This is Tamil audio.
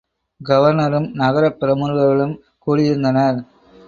கவர்னரும் நகரப் பிரமுகர்களும் கூடியிருந்தனர்.